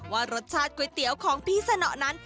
ว่ารสชาติก๋วยเตี๋ยวของพี่สนอนั้น